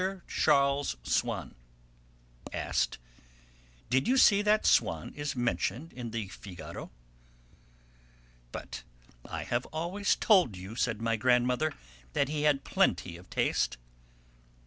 Charles Swann," asked: "Did you see that Swann is 'mentioned' in the Figaro?" "But I have always told you," said my grandmother, "that he had plenty of taste."